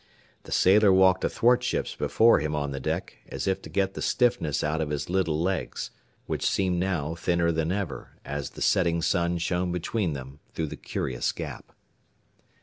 The sailor walked athwartships before him on the deck as if to get the stiffness out of his little legs, which seemed now thinner than ever, as the setting sun shone between them through the curious gap.